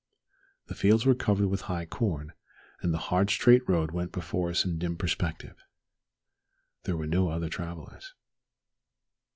The fields were covered with high corn, and the hard straight road went before us in dim perspective. There were no other travellers.